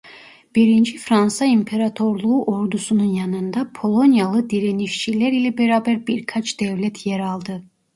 Birinci Fransa İmparatorluğu ordusunun yanında Polonyalı Direnişçiler ile beraber birkaç devlet yer aldı.